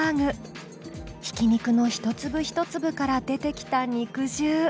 ひき肉の一粒一粒から出てきた肉汁。